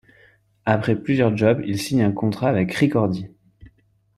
Après plusieurs jobs il signe un contrat avec Ricordi.